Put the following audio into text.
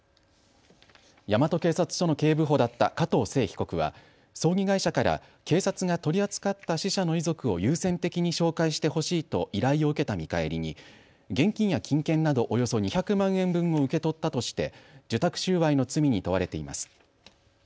大和警察署の警部補だった加藤聖被告は葬儀会社から警察が取り扱った死者の遺族を優先的に紹介してほしいと依頼を受けた見返りに現金や金券などおよそ２００万円分を受け取ったとして受託収賄の罪に問われています。